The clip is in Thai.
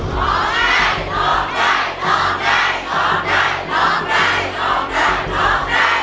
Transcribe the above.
หมองใจหมองใจหมองใจ